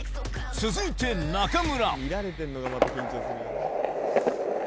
続いて中村。